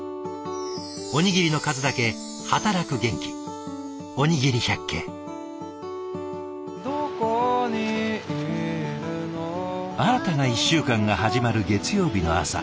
おにぎりの数だけ働く元気新たな１週間が始まる月曜日の朝。